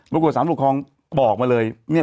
บุคคลสารบุคคลองบอกมาเลย